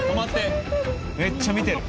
めっちゃ見てる。